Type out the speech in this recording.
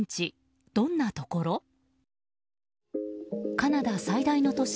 カナダ最大の都市